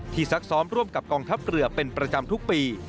ซักซ้อมร่วมกับกองทัพเรือเป็นประจำทุกปี